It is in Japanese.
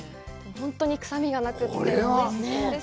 本当に臭みがなくておいしいです。